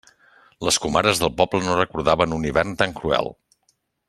Les comares del poble no recordaven un hivern tan cruel.